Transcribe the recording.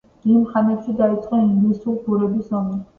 იმ ხანებში დაიწყო ინგლის-ბურების ომი.